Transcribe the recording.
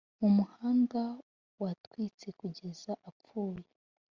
mu muhanda watwitse kugeza apfuye